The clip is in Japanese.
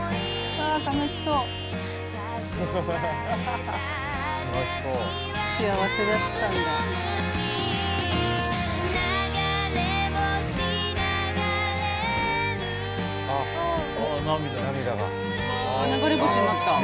わ流れ星になった。